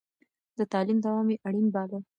د تعليم دوام يې اړين باله.